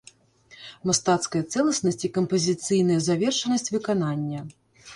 Мастацкая цэласнасць і кампазіцыйная завершанасць выканання.